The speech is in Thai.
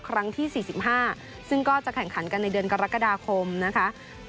ครั้งที่๔๕ซึ่งก็จะแข่งขันกันในเดือนกรกฎาคมนะคะ